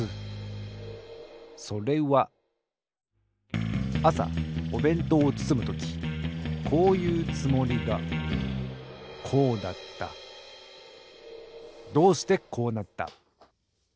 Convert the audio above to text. それはあさおべんとうをつつむときこういうつもりがこうだったどうしてこうなった？